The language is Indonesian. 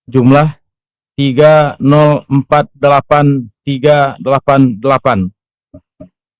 jumlah pengguna hak pilih dalam daftar pemilih tambahan atau dptb